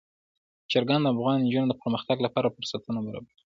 چرګان د افغان نجونو د پرمختګ لپاره فرصتونه برابروي.